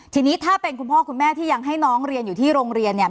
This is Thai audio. ทีนี้ถ้าเป็นคุณพ่อคุณแม่ที่ยังให้น้องเรียนอยู่ที่โรงเรียนเนี่ย